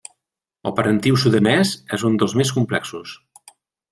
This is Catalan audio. El parentiu sudanès és un dels més complexos.